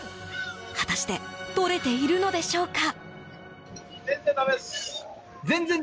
果たしてとれているのでしょうか？